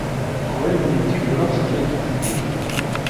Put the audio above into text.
Paul übernimmt die Urlaubsvertretung von Peter.